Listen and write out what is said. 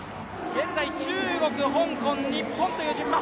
現在、中国、香港、日本という順番。